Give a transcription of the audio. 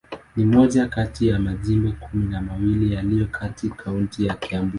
Ni moja kati ya majimbo kumi na mawili yaliyo katika kaunti ya Kiambu.